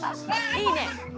いいね。